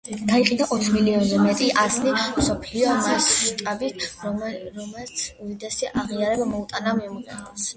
გაიყიდა ოც მილიონზე მეტი ასლი მსოფლიო მასშტაბით, რამაც უდიდესი აღიარება მოუტანა მომღერალს.